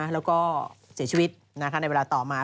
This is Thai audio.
แล้วก็เสียชีวิตในเวลาต่อมา